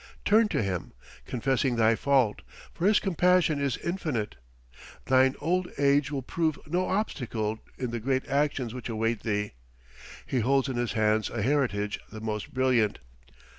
Turn to Him, confessing thy fault, for His compassion is infinite. Thine old age will prove no obstacle in the great actions which await thee: He holds in His hands a heritage the most brilliant.